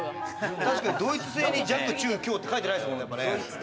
ドイツ製に弱・中・強って書いてないですもんね。